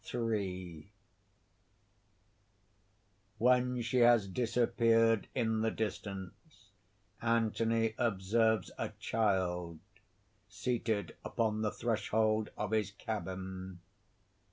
III (_When she has disappeared in the distance, Anthony observes a child seated upon the threshold of his cabin.